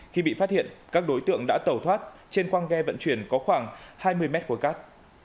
khi bị phát hiện các đối tượng đã tẩu thoát trên khoang ghe vận chuyển có khoảng hai mươi mét khối cát